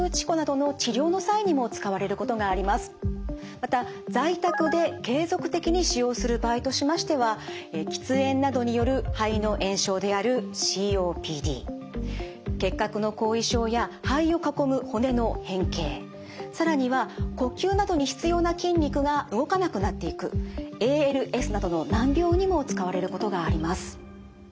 また在宅で継続的に使用する場合としましては喫煙などによる肺の炎症であるＣＯＰＤ結核の後遺症や肺を囲む骨の変形更には呼吸などに必要な筋肉が動かなくなっていくＡＬＳなどの難病にも使われることがあります。